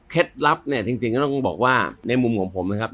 ลับเนี่ยจริงก็ต้องบอกว่าในมุมของผมนะครับ